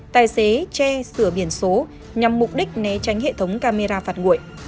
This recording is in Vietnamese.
tài xế che sửa biển số nhằm mục đích né tránh hệ thống camera phạt nguội